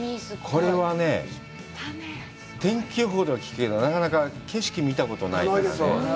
これはね、天気予報では聞くけど、なかなか景色見たことないからね。